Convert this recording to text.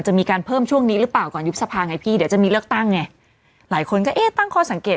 หืมหืมหืมหืมหืม